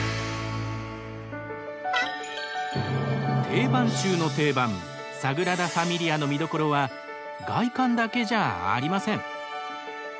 定番中の定番サグラダ・ファミリアの見どころは外観だけじゃありません。